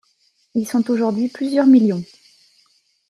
Ils sont aujourd'hui plusieurs millions.